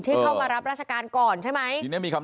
เข้ามารับราชการก่อนใช่ไหม